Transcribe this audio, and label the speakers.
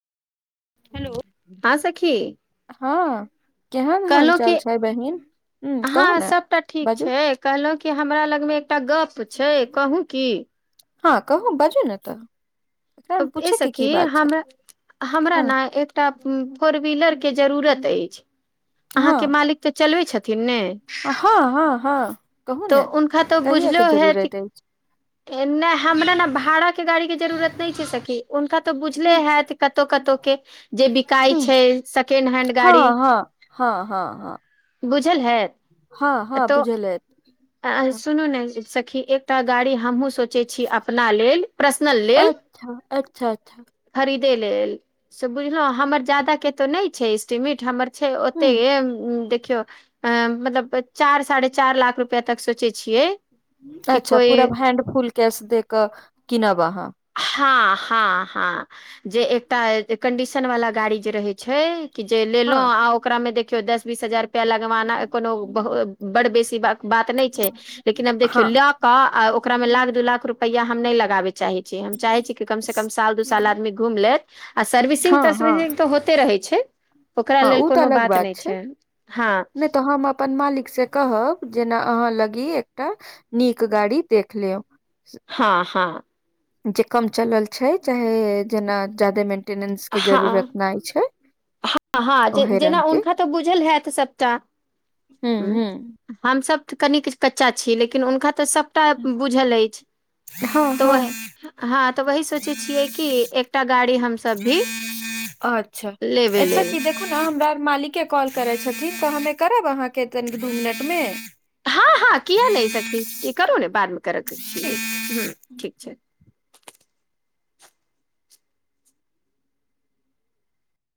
Speaker 1: Hello
Speaker 2: हां सखी
Speaker 1: हँ केहन हाल
Speaker 2: कहलहुँ
Speaker 1: चाल
Speaker 2: कि
Speaker 1: छै बहिन उं
Speaker 2: हँ अ सबटा ठीक छय कहलहुँं कि हमरा लगमे एकटा गप्प छै कहु की
Speaker 1: हँ कहु बाजू ने तऽ एकरामे
Speaker 2: ए
Speaker 1: पूछयके
Speaker 2: सखी
Speaker 1: की बात छै
Speaker 2: हम हमरा
Speaker 1: हँ
Speaker 2: नै ए एकटा फोर व्हीलर के जरूरत अइछ
Speaker 1: हँ
Speaker 2: अहांके मालिक तऽ चलबे छथिन ने
Speaker 1: हँ हँ हँ कहू
Speaker 2: तो
Speaker 1: ने
Speaker 2: उनखा तो
Speaker 1: कहिया
Speaker 2: बुझलो
Speaker 1: के
Speaker 2: हैत
Speaker 1: जरूरत अछि
Speaker 2: ने हमरा ने भाड़ा के गाड़ी के जरूरत नहि छय सखी उनका तऽ बुझले हैत कतउ कतउ के जे बिकाय
Speaker 1: हँ
Speaker 2: छय सकेंड हेंड गाड़ी
Speaker 1: हँ हँ हँ हँ
Speaker 2: बुझल हैत
Speaker 1: हँ हँ बुझलैप
Speaker 2: तऽ अहाँ सुनु ने सखी एकटा गाड़ी हमहुँ सोच सोचै छी अपना लेल प्रसनल लेल
Speaker 1: अच्छा अच्छा अच्छा
Speaker 2: [inaudible] खरीदे लेल से बुझलहु हमर ज्यादा केँ तऽ नहि छै एस्टीमेट हमर छै ओते
Speaker 1: ह
Speaker 2: देखियौ अ मतलब चार साढ़े चार लाख रुपआ तक सोचै छियै कि
Speaker 1: अच्छ पूरा
Speaker 2: कोई
Speaker 1: हैंड फुल कैस देक किनब अहाँ
Speaker 2: हाँ हाँ हाँ जे एकटा कंडीशन वाला गाड़ी जे रहय छय की जे
Speaker 1: हँ
Speaker 2: लेलौं आ ओकरामे देखियौ दस बीस हजार रुपआ लगवाना कोनो बहु बड बेसी बात बात नहि छय। लेकिन आब देखियौ
Speaker 1: हँ
Speaker 2: लऽ कऽ आ ओकरा मे लाख दू लाख रुपैआ हम नहि लगाबे चाही हम चाहै छी कि कम से कम साल दू साल आदमी घुम लेत आ सर्विसिंग
Speaker 1: हँ हँ
Speaker 2: तर्विसिंग होते रहै छै ओकरा
Speaker 1: हँ
Speaker 2: लेल
Speaker 1: ओ तऽ
Speaker 2: कोनो
Speaker 1: अलग
Speaker 2: बात नहि छै हँ
Speaker 1: नहि तऽ हम अपन मालिक से कहब जेना अहाँ लगी एकटा नीक गाड़ी देख लेब
Speaker 2: हँ हँ
Speaker 1: जे कम चलल छै चाहे जेना जाादे मे मेन्टेनेंस केँ जरूरत नहि छै [inaudible]
Speaker 2: हँ हँ
Speaker 1: ओहे
Speaker 2: जेना
Speaker 1: रंग के
Speaker 2: हुनका तऽ बुझल हयत सभटा
Speaker 1: हूँ
Speaker 2: [inaudible] हू
Speaker 1: हूँ
Speaker 2: हमसभ तऽ कनि किछ कच्चा छी लेकिन हुनका तऽ सभ टा बुझल अछि
Speaker 1: हँ
Speaker 2: [inaudible] तऽ ओही
Speaker 1: हँ
Speaker 2: हँ तऽ वही सोचै छियै कि एकटा गाड़ी हम
Speaker 1: [unintelligible]
Speaker 2: लेबे लेल
Speaker 1: अच्छ अते की [unintelligible]
Speaker 2: हँ हँ किया नहि सखी ई करु ने बाद मे करयके छी ह ठीक छै